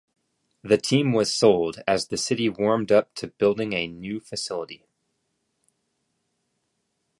The team was sold as the city warmed up to building a new facility.